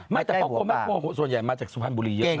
ไม่แต่พอโกแม็กโกส่วนใหญ่มาจากสุพรรณบุรีเยอะ